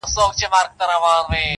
نور به د پانوس له رنګینیه ګیله نه کوم.!